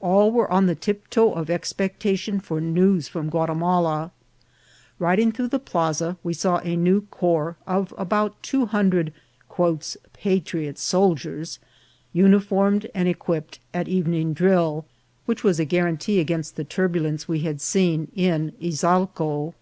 All were on the tiptoe of expectation for news from Guati mala. Riding through the plaza, we saw a new corps of about two hundred "patriot soldiers," uniformed and equipped, at evening drill, which was a guarantee against the turbulence we had seen in Izalco.